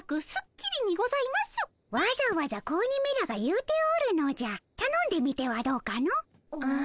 わざわざ子鬼めらが言うておるのじゃたのんでみてはどうかの？